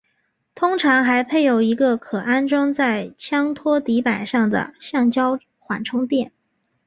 通常还配有一个可安装在枪托底板上的橡胶缓冲垫。